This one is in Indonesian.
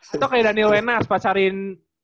atau kayak daniel wenas pacarin